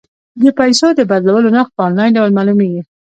د پيسو د بدلولو نرخ په انلاین ډول معلومیږي.